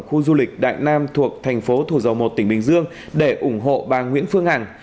khu du lịch đại nam thuộc thành phố thủ dầu một tỉnh bình dương để ủng hộ bà nguyễn phương hằng